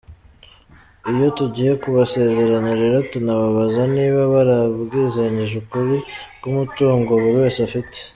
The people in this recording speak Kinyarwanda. Iyo tugiye kubasezeranya rero tunababaza niba barabwizanyije ukuri ku mutungo buri wese afite.